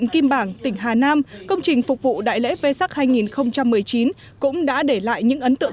kim bảng tỉnh hà nam công trình phục vụ đại lễ vê sắc hai nghìn một mươi chín cũng đã để lại những ấn tượng